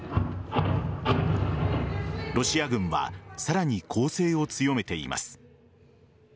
ロシア軍はさらに攻勢を強めています。